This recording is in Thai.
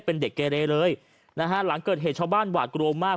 เป็นเด็กเกเรเลยนะฮะหลังเกิดเหตุชาวบ้านหวาดกลัวมาก